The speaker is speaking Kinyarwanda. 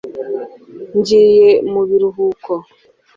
ngiye mu biruhuko